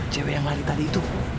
cewek yang lari tadi itu